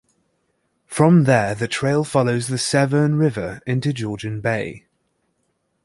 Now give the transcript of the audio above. From there the trail follows the Severn River into Georgian Bay.